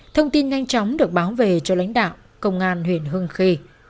thông tin nhanh chóng được báo về cho lãnh đạo công an huyện hương khê